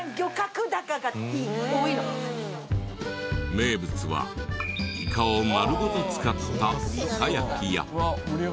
名物はイカを丸ごと使ったイカ焼きや。